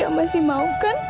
aida kan masih mau kan